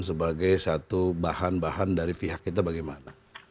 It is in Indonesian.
sebagai satu bahan bahan dari pihak kita bagaimana